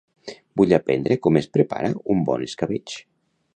Vull aprendre com es prepara un bon escabetx.